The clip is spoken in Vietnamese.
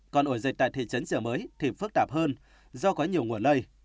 còn ổ dịch tại thị trấn sở mới thì phức tạp hơn do có nhiều nguồn lây